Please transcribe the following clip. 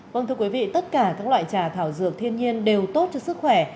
vâng thưa quý vị tất cả các loại trà thảo dược thiên nhiên đều tốt cho sức khỏe